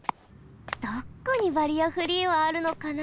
どこにバリアフリーはあるのかな？